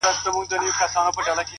د پخلنځي د لوګي نرمي فضا بدلوي.!